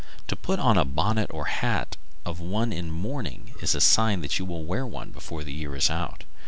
To put on a bonnet or hat of one in mourning is a sign that you will wear one before the year is out.